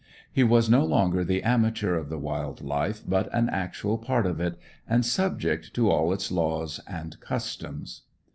He was no longer the amateur of the wild life, but an actual part of it, and subject to all its laws and customs.